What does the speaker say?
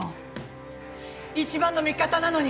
一番の味方なのに！